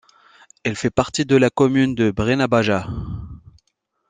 Elle fait partie de la commune de Breña Baja.